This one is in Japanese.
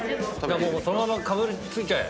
そのままかぶりついちゃえ！